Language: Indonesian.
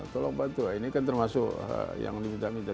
tolong bantu ini kan termasuk yang diminta minta